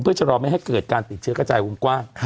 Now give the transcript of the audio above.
เพื่อจะรอไม่ให้เกิดการติดเชื้อกระจายวงกว้าง